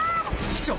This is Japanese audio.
機長！